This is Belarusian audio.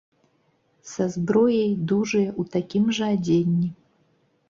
Са зброяй, дужыя, у такім жа адзенні.